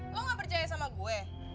lo gak percaya sama gue